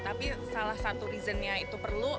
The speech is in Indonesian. tapi salah satu reasonnya itu perlu